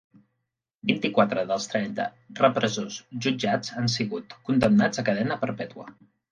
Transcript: Vint-i-quatre dels trenta repressors jutjats han sigut condemnats a cadena perpètua